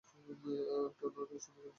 Tom আর Sonic নিশ্চয় ভিতরে আছে।